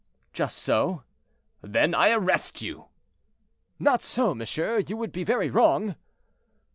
"Just so." "Then I arrest you!" "Not so, monsieur; you would be very wrong."